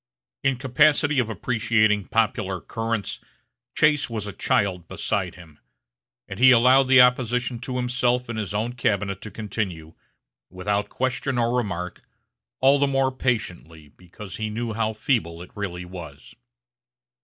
In capacity of appreciating popular currents Chase was as a child beside him; and he allowed the opposition to himself in his own cabinet to continue, without question or remark, all the more patiently, because he knew how feeble it really was.